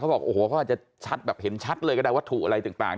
บอกโอ้โหเขาอาจจะชัดแบบเห็นชัดเลยก็ได้วัตถุอะไรต่าง